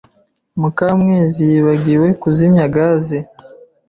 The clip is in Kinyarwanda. Mukamwezi yibagiwe kuzimya gaze.